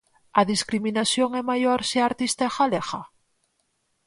A discriminación é maior se a artista é galega?